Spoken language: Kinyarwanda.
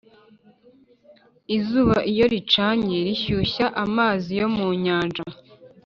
izuba iyo ricanye rishyushya amazi yo mu nyanja